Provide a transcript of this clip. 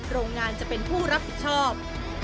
โรงงานจะเป็นผู้รับผิดชอบ